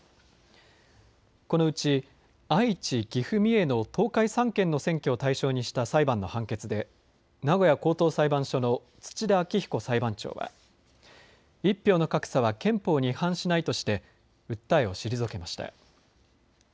このうち愛知、岐阜、三重の東海３県の選挙を対象にした裁判の判決で名古屋高等裁判所の土田昭彦裁判長は１票の格差は憲法に違反しないとして訴えを退けました。